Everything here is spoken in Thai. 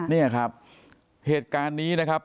นี่ครับเหตุการณ์นี้นะครับ